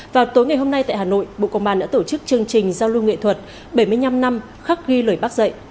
vào tối ngày hôm nay tại hà nội bộ công an đã tổ chức chương trình giao lưu nghệ thuật bảy mươi năm năm khắc ghi lời bác dạy